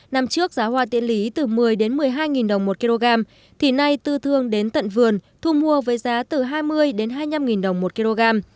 năm trước giá hoa tiễn lý từ một mươi đến một mươi hai đồng một kg thì nay tư thương đến tận vườn thu mua với giá từ hai mươi hai mươi năm đồng một kg